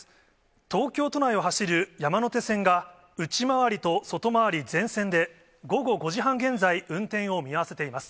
東京都内を走る山手線が、内回りと外回り全線で午後５時半現在、運転を見合わせています。